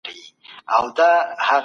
کم خوب د ناروغۍ خطر زیاتوي.